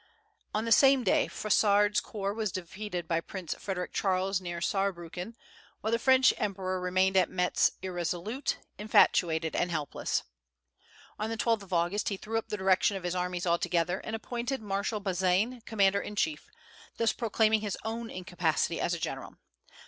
On the same day Frossard's corps was defeated by Prince Frederic Charles near Saarbrücken, while the French emperor remained at Metz irresolute, infatuated, and helpless. On the 12th of August he threw up the direction of his armies altogether, and appointed Marshal Bazaine commander in chief, thus proclaiming his own incapacity as a general.